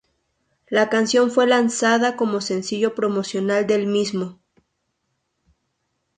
La canción fue lanzada como sencillo promocional del mismo.